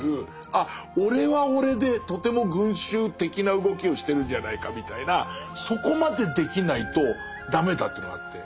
あっ俺は俺でとても群衆的な動きをしてるんじゃないかみたいなそこまでできないとダメだというのがあって。